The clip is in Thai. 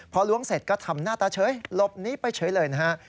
พอล้วงเสร็จก็ทำหน้าตาเฉยหลบหนีไปเฉยเลยนะฮะ